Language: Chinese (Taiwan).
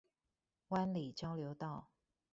灣裡交流道